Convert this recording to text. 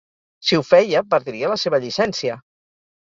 Si ho feia, perdria la seva llicència.